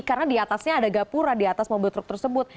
karena di atasnya ada gapura di atas mobil truk tersebut